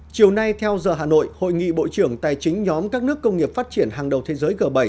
chiều nay theo giờ hà nội hội nghị bộ trưởng tài chính nhóm các nước công nghiệp phát triển hàng đầu thế giới g bảy